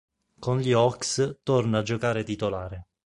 Con gli Hawks torna a giocare titolare.